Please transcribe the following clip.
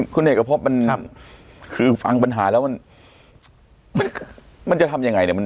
คุณเอกพบมันคือฟังปัญหาแล้วมันจะทำยังไงเนี่ย